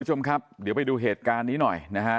คุณผู้ชมครับเดี๋ยวไปดูเหตุการณ์นี้หน่อยนะฮะ